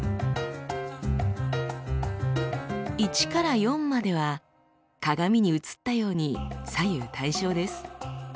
「１」から「４」までは鏡に映ったように左右対称です。